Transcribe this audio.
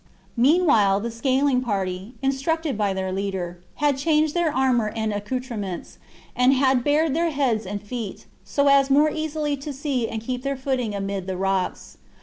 Meanwhile the scaling party, instructed by their leader, had changed their armour and accoutrements, and had bared their heads and feet, so as more easily to see and keep their foot ing amid the rocks.